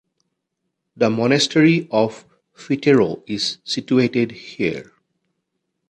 The Monastery of Fitero is situated here.